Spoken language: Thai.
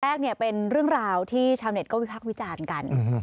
แรกเนี่ยเป็นเรื่องราวที่ชาวเน็ตก็วิพักษ์วิจารณ์กัน